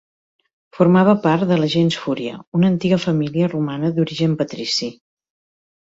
Formava part de la gens Fúria, una antiga família romana d'origen patrici.